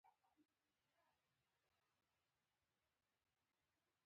يو موټر ښويه تېر شو.